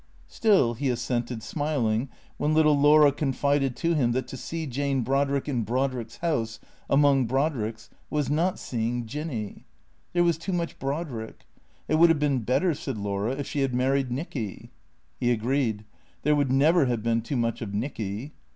Still, he assented, smiling, when little Laura confided to him that to see Jane Brodrick in Brodrick's house, among Brod ricks, was not seeing Jinny. There was too much Brodrick. It would have been better, said Laura, if she had married Nicky. He agreed. There would never have been too much of Nicky.